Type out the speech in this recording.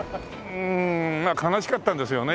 うんまあ悲しかったんですよね